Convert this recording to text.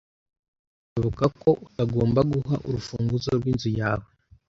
Birashoboka ko utagomba guha urufunguzo rwinzu yawe.